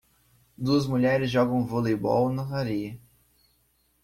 Duas mulheres jogam voleibol na areia.